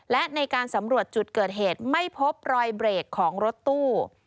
และในการสำรวจจุดเกิดเหตุไม่พบรอยเบรกของรถตู้